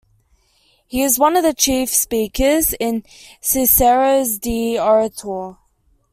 He is one of the chief speakers in Cicero's "De Oratore".